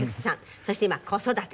そして今子育て。